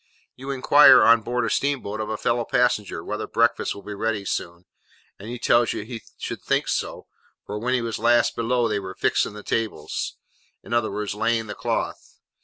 You inquire, on board a steamboat, of a fellow passenger, whether breakfast will be ready soon, and he tells you he should think so, for when he was last below, they were 'fixing the tables:' in other words, laying the cloth.